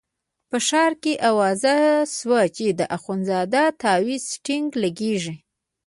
په ښار کې اوازه شوه چې د اخندزاده تاویز ټیک لګېږي.